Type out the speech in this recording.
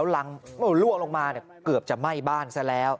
หลังล่วงลงมาเกือบจะไหม้บ้านซะแล้ว